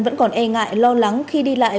vẫn còn e ngại lo lắng khi đi lại